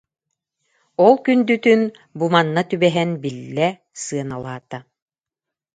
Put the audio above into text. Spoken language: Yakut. Ол күндүтүн бу манна түбэһэн биллэ, сыаналаа-та